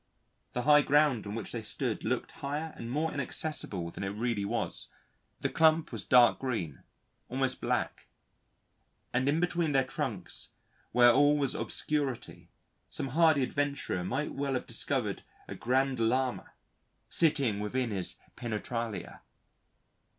The high ground on which they stood looked higher and more inaccessible than it really was, the clump was dark green, almost black, and in between their trunks where all was obscurity, some hardy adventurer might well have discovered a Grand Lama sitting within his Penetralia.